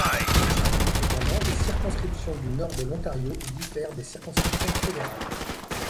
Cependant, les circonscription du Nord de l'Ontario diffèrent des circonscriptions fédérales.